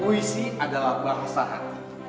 puisi adalah bahasa hati